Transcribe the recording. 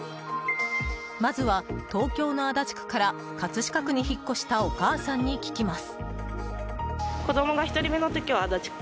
まずは、東京の足立区から葛飾区に引っ越したお母さんに聞きます。